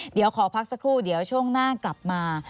เดี๋ยวขอพักสักครู่เดี๋ยวช่วงหน้ากลับมา